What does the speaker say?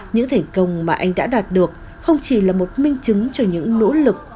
những thành công mà anh đã đạt được không chỉ là một minh chứng cho những nỗ lực